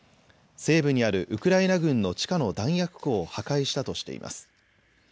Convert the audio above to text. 西部にあるウクライナ軍の地下の弾薬庫を破壊したとしています。